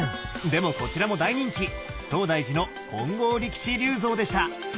でもこちらも大人気東大寺の「金剛力士立像」でした。